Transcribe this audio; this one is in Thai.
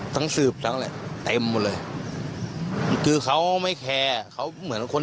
สืบทั้งอะไรเต็มหมดเลยคือเขาไม่แคร์เขาเหมือนคน